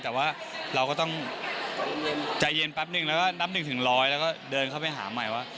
แต่ว่าก็ต้องใจเย็นแปบหนึ่งแล้วนับ๑ถึง๑๐๐แล้วก็เดินเข้าไปหาใหม่ว่า